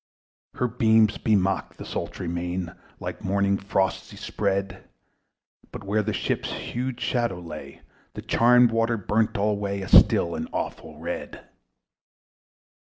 Her beams bemocked the sultry main, Like April hoar frost spread; But where the ship's huge shadow lay, The charmed water burnt alway A still and awful red.